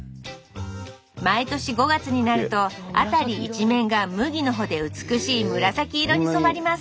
毎年５月になると辺り一面が麦の穂で美しい紫色に染まります